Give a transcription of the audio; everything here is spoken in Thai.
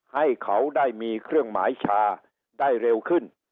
ให้เขาได้มีเครื่องหมายชาได้เร็วขึ้น